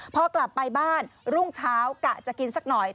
พอกลับไปบ้านรุ่งเช้ากะจะกินสักหน่อย